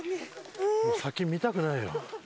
先見たくないよ。